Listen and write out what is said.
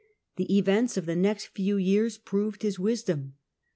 The events of the next few I^^ears proved his wisdom.